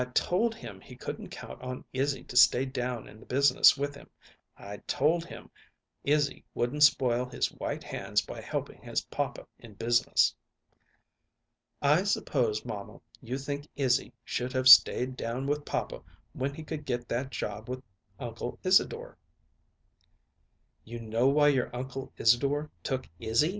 "I told him he couldn't count on Izzy to stay down in the business with him. I told him Izzy wouldn't spoil his white hands by helping his papa in business." "I suppose, mamma, you think Izzy should have stayed down with papa when he could get that job with Uncle Isadore." "You know why your Uncle Isadore took Izzy?